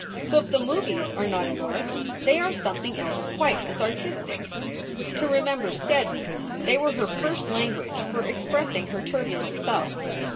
So if the movies are not an art, they are something else quite as artistic. To Remember Steddon they were her first language for expressing her turbulent self.